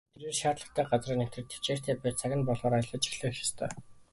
Тэрээр шаардлагатай газраа нэвтрээд тэвчээртэй байж цаг нь болохоор ажиллаж эхлэх ёстой.